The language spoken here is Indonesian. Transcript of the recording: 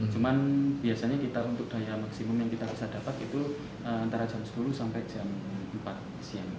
cuman biasanya kita untuk daya maksimum yang kita bisa dapat itu antara jam sepuluh sampai jam empat siang